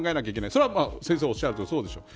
それは先生がおっしゃるとおりそうでしょう。